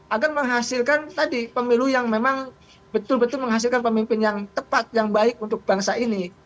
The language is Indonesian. agar menghasilkan tadi pemilu yang memang betul betul menghasilkan pemimpin yang tepat yang baik untuk bangsa ini